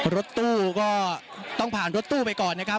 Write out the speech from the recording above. รถตู้ก็ต้องผ่านรถตู้ไปก่อนนะครับ